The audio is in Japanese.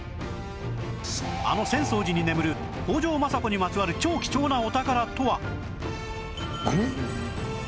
あの浅草寺に眠る北条政子にまつわる超貴重なお宝とは？